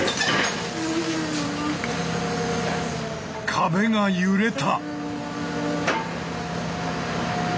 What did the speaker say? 壁が揺れた。